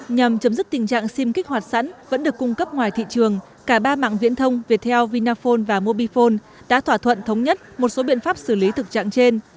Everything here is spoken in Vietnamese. nhằm chấm dứt tình trạng sim kích hoạt sẵn vẫn được cung cấp ngoài thị trường cả ba mạng viễn thông viettel vinaphone và mobifone đã thỏa thuận thống nhất một số biện pháp xử lý thực trạng trên